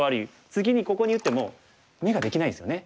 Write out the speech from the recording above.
次にここに打っても眼ができないですよね。